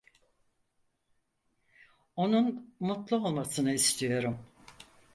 Onun mutlu olmasını istiyorum.